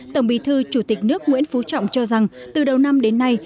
tổng bí thư chủ tịch nước nguyễn phú trọng cho rằng từ đầu năm đến nay